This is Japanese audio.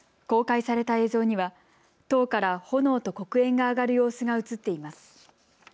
公開された映像には塔から炎と黒煙が上がる様子が映っています。